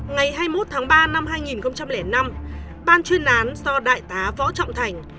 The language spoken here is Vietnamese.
ngày hai mươi một tháng ba năm hai nghìn năm ban chuyên án do đại tá võ trọng thành